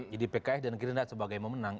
jadi pks dan greenlight sebagai pemenang